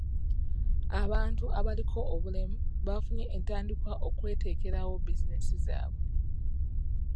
Abantu abalinko obulemu bafunye entandikwa okweteekerawo bizinensi zaabwe.